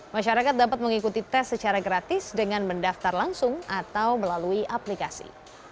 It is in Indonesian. masyarakat dapat mengikuti tes secara gratis dengan mendaftar langsung atau melalui aplikasi